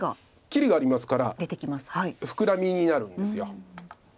切りがありますからフクラミになるんです。